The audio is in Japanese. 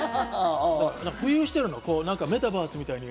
浮遊してるの、メタバースみたいに。